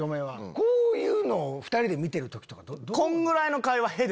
こういうのを２人で見てる時とかどう。